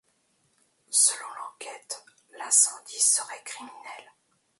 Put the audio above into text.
Selon l'enquête, l'incendie serait criminel.